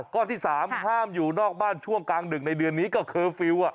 ข้อที่๓ห้ามอยู่นอกบ้านช่วงกลางดึกในเดือนนี้ก็เคอร์ฟิลล์